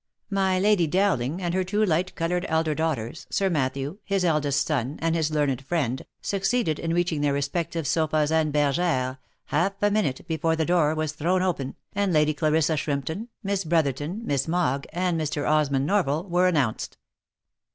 " My Lady Dowling, and her two light coloured elder daughters, Sir Matthew, his eldest son, and his learned friend, succeeded in reaching their respective sofas and bergeres half a minute before the door was thrown open, and Lady Clarissa Shrimpton, Miss Brotherton, Miss Mogg, and Mr. Osmond Norval were an nounced.